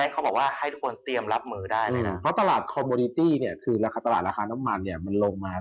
ก็ตลาดคอมโมนิตี้เนี่ยคือตลาดราคาน้ำมันเนี่ยมันลงมา